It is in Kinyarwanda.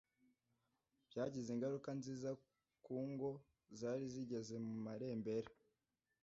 byagize ingaruka nziza ku ngo zari zigeze mu marembera